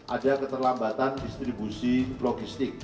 ada keterlambatan distribusi logistik